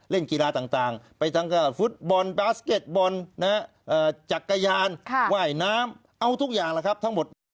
เล่นกีฬาต่างไปทั้งฟุตบอลบาสเก็ตบอลจักรยานว่ายน้ำเอาทุกอย่างแหละครับทั้งหมด